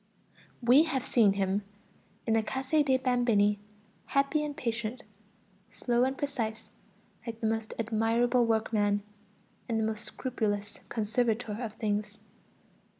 We have seen him in the Case dei Bambini happy and patient, slow and precise like the most admirable workman, and the most scrupulous conservator of things.